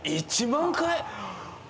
１万回？